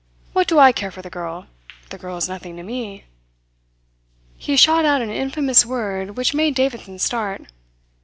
What do I care for the girl? The girl is nothing to me." He shot out an infamous word which made Davidson start.